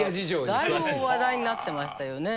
だいぶ話題になってましたよね。